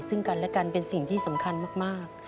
ซึ่งกันและกันเป็นสิ่งที่สำคัญมาก